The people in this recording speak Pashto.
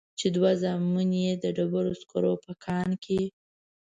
چې دوه زامن يې د ډبرو سکرو په کان کې.